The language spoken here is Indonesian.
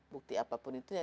bukti apapun itu